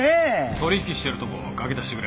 取引してるとこ書き出してくれ。